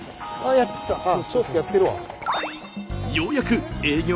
やってるわ。